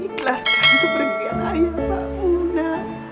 ikhlaskan pergian ayah pak mu na